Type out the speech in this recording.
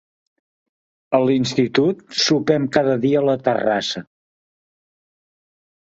A l'institut sopem cada dia a la terrassa.